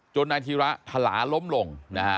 จนนายธีระทะลาล้มลง